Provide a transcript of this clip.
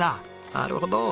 なるほど。